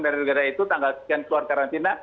dari negara itu tanggal sekian keluar karantina